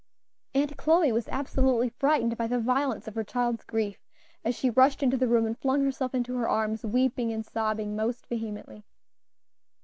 Aunt Chloe was absolutely frightened by the violence of her child's grief, as she rushed into the room and flung herself into her arms weeping and sobbing most vehemently.